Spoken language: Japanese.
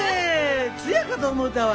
ツヤかと思うたわ。